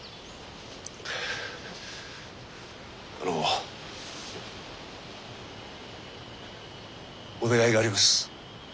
あのお願いがあります。